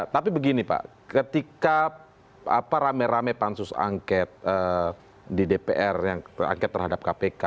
tapi begini pak ketika rame rame pansus angket di dpr yang angket terhadap kpk